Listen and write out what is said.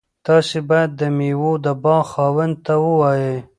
تاسي باید د میوو د باغ خاوند ته ووایئ.